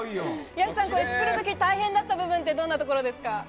ヤシさん、作るとき大変だった部分はどんなところですか？